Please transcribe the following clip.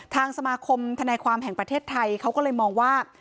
ทางสมาคมธนายความแห่งประเทศไทยเขาก็เลยมองว่า